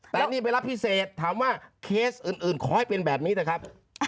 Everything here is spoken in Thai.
แต่นี่ไปรับพิเศษถามว่าเคสอื่นขอให้เป็นแบบนี้เถอะครับ